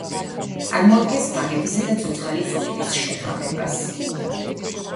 წარმოადგენს ბაღებისა და ცოცხალი ზონების შეხამებას.